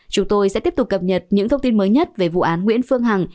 chúng tôi sẽ tiếp tục cập nhật những thông tin mới nhất về vụ án nguyễn phương hằng